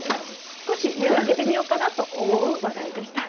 少し目を上げてみようかなと思う話題でした。